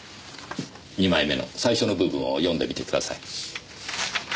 ２枚目の最初の部分を読んでみてください。